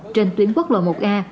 trên tuyến quốc lộ một a